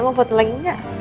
mau foto lagi gak